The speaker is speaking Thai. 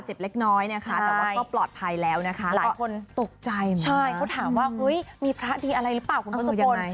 ใช่เขาถามว่ามีพระดีอะไรหรือเปล่าคุณท้นทรปน